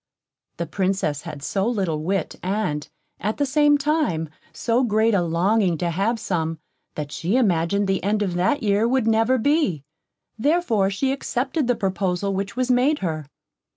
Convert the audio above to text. The Princess had so little wit, and, at the same time, so great a longing to have some, that she imagined the end of that year would never be; therefore she accepted the proposal which was made her.